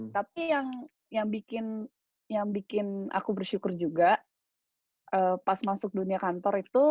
tapi yang bikin aku bersyukur juga pas masuk dunia kantor itu